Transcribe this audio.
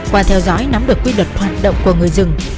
qua theo dõi nắm được quy luật hoạt động của người rừng